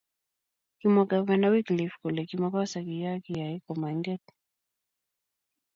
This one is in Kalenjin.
kimwa gavana wycliffe kole kimokosa kiyoo kiyaka komainget